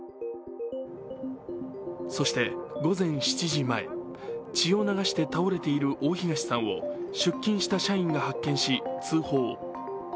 そして午前７時前血を流して倒れている大東さんを出勤した社員が発見し、通報。